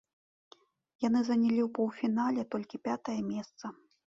Яны занялі ў паўфінале толькі пятае месца.